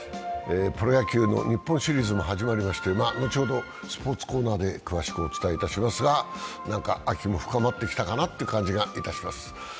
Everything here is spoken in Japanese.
プロ野球の日本シリーズも始まりまして後ほどスポーツコーナーで詳しくお伝えしますがなんか秋も深まってきたかなという感じがいたします。